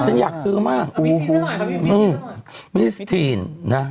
ฉันอยากซื้อมากอูฮูอื้อมิสทีนนะ